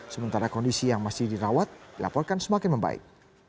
sementara kondisi yang masih dirawat dilaporkan semakin membaik